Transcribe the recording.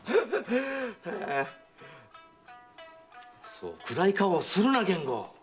そう暗い顔をするな源吾！